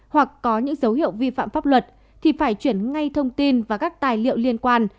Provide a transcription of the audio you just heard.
hoặc có những dấu hiệu vi phạm pháp luật thì phải chuyển ngay thông tin và các tài liệu liên quan